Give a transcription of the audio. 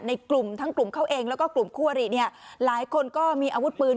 ในกลุ่มทั้งกลุ่มเขาเองแล้วก็กลุ่มคั่วหรี่เนี่ยหลายคนก็มีอาวุธปืน